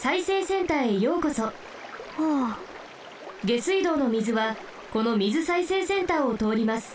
下水道の水はこの水再生センターをとおります。